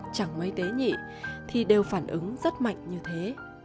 chẳng mấy tế nhị thì đều phản ứng rất mạnh như thế